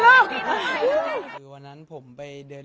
สงฆาตเจริญสงฆาตเจริญ